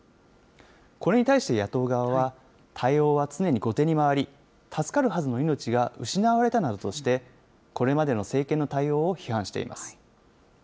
これに対して野党側は、対応は常に後手に回り、助かるはずの命が失われたなどとして、これまでの政権の対応を批判しています。